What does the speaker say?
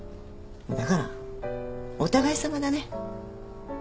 だからお互いさまだね。